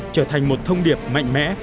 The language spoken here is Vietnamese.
trở thành một thông điệp mạnh mẽ